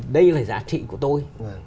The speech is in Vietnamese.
đây là giá trị của tôi